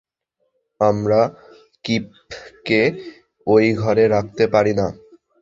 আমরা কিফকে ওই ঘরে রাখতে পারি না।